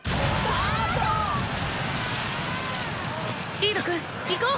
リードくん行こう！